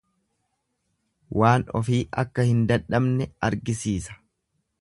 Waan ofii akka hin dadhabne argisiisa.